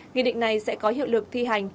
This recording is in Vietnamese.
nghị định này sẽ có hiệu lực thi hành